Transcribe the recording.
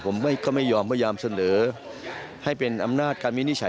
ผมก็ไม่ยอมพยายามเสนอให้เป็นอำนาจการวินิจฉัย